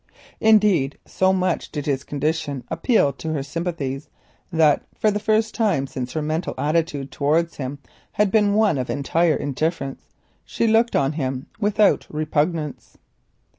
Indeed, so much did his condition appeal to her sympathies that for the first time since her mental attitude towards him had been one of entire indifference, she looked on him without repugnance.